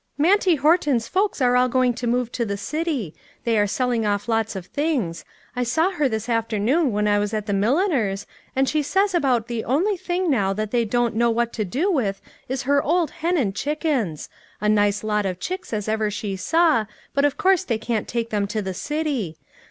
A WILL AND A WAY. 275 " Mantle Horton's folks are all going to move to the city ; they are selling off lots of things ; I saw her this afternoon when I was at the mil liner's, and she says about the only thing now that they don't know what to do with is her old hen and chickens ; a nice lot of chicks as ever she saw, but of course they can't take them to the city.